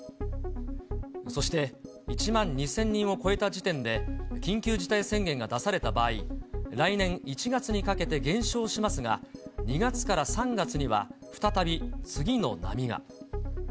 そして、１万２０００人を超えた時点で緊急事態宣言が出された場合、来年１月にかけて減少しますが、２月から３月には、再び次の波が。